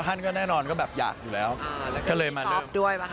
ท่านก็แน่นอนก็แบบอยากอยู่แล้วก็เลยมาเลือกด้วย